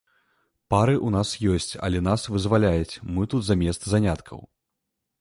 Пары ў нас ёсць, але нас вызваляюць, мы тут замест заняткаў.